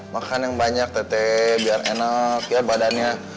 makan yang banyak tete biar enak ya badannya